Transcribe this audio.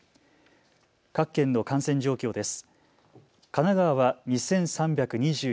各県の感染状況です。